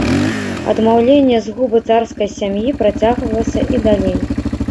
Адмаўленне згубы царскай сям'і працягвалася і далей.